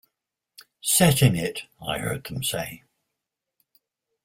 "Set in it", I heard them say.